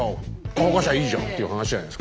乾かしゃいいじゃんっていう話じゃないですか。